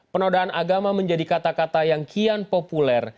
penodaan agama menjadi kata kata yang kian populer